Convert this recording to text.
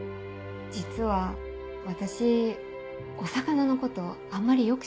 実は私お魚のことあんまりよく知